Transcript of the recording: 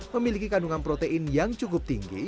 memiliki kandungan protein yang cukup tinggi